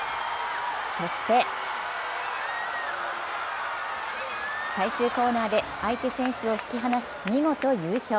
そして最終コーナーで相手選手を引き離し、見事優勝。